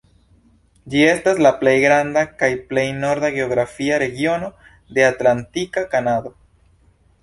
Ĝi estas la plej granda kaj plej norda geografia regiono de Atlantika Kanado.